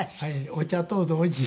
お茶と同時。